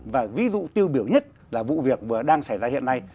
và ví dụ tiêu biểu nhất là vụ việc vừa đang xảy ra hiện nay